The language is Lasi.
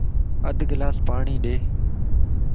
اڌ گلاس پاڻين ڏي